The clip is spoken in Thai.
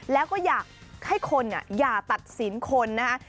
แล้วก็อยากให้คนอย่าตัดสินคนนะคะ